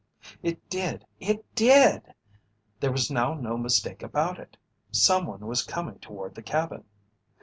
It did! It did! There was now no mistake about it. Someone was coming toward the cabin.